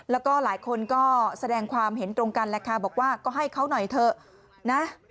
แล้วก็หลายคนก็แสดงความเห็นตรงกันแหละค่ะบอกว่าก็ให้เขาหน่อยเถอะนะ